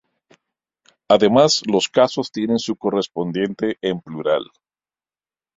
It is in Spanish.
Además los casos tienen su correspondiente en plural.